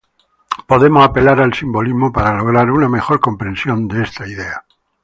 Podemos apelar al simbolismo para lograr una mejor comprensión de esta idea.